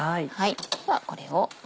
ではこれを。